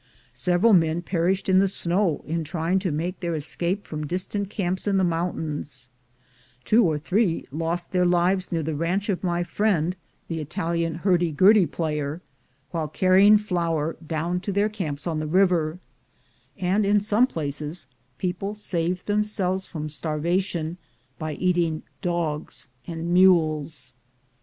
Several men perished in the snow in trying to make their escape from distant camps in the mountains; two or three lost their lives near the ranch of my friend the Italian 260 THE GOLD HUNTERS hurdy gurdy plaj^er, while carrying flour down to their camps on the river; and in some places people saved themselves from starvation by eating dogs and mules.